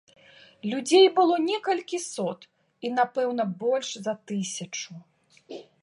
Людзей было некалькі сот, і напэўна больш за тысячу.